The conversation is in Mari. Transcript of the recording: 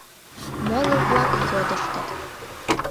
Моло-влак йодыштыт.